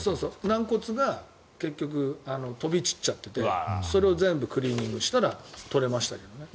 軟骨が結局飛び散っちゃっててそれを全部クリーニングしたら取れましたけどね。